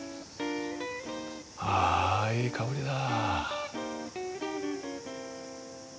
あいい香りだ。